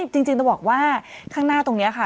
เว้ยจริงจริงต้องบอกว่าข้างหน้าตรงเนี้ยค่ะ